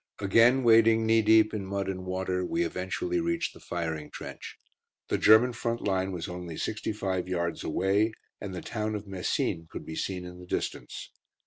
Again wading knee deep in mud and water, we eventually reached the firing trench. The German front line was only sixty five yards away, and the town of Messines could be seen in the distance.